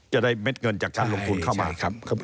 จะได้เม็ดเงินจากชั้นลงทุนเข้ามา